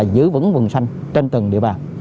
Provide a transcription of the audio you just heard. giữ vững vùng xanh trên từng địa bàn